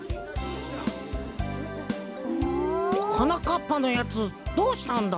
はなかっぱのやつどうしたんだ？